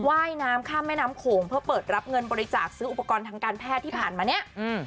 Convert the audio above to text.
ว่ายน้ำข้ามแม่น้ำโขงเพื่อเปิดรับเงินบริจาคซื้ออุปกรณ์ทางการแพทย์ที่ผ่านมาเนี่ย